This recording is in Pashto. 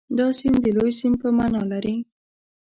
دا سیند د لوی سیند په معنا لري.